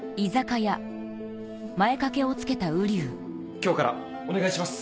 今日からお願いします。